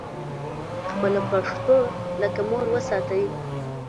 خپله پښتو لکه مور وساتئ